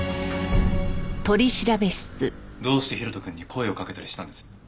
どうして大翔くんに声をかけたりしたんです？